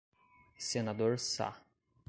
Senador Sá